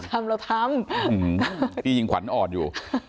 เราทำเราทำอือปียิงขวัญออดอยู่